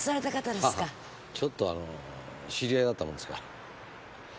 ハハちょっとあの知り合いだったもんですから。